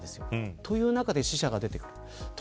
という中で死者が出てくる。